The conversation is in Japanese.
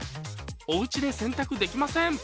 「おうちで洗濯できません」